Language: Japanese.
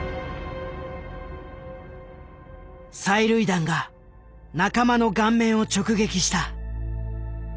催涙弾が仲間の顔面を直撃した。